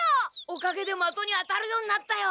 おかげでまとに当たるようになったよ！